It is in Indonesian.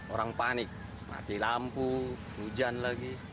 orang panik mati lampu hujan lagi